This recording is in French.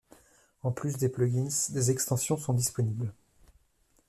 En plus des plugins, des extensions sont disponibles.